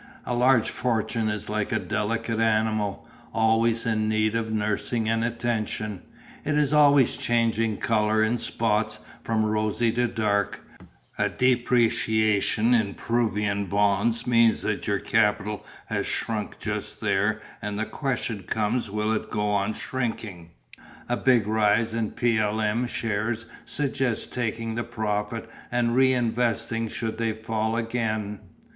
A large fortune is like a delicate animal, always in need of nursing and attention, it is always changing colour in spots from rosy to dark, a depreciation in Peruvian bonds means that your capital has shrunk just there and the question comes will it go on shrinking; a big rise in P.L.M. shares suggests taking the profit and re investing should they fall again.